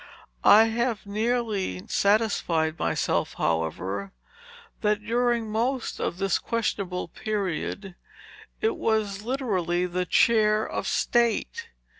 I have nearly satisfied myself, however, that, during most of this questionable period, it was literally the Chair of State.